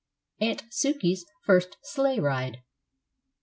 AUNT SUKEY'S FIRST SLEIGH RIDE.